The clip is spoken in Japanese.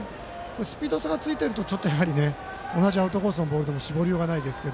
スピード差がついていると同じアウトコースのボールでも絞りようがないですが。